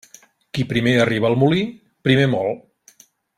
Qui primer arriba al molí, primer mol.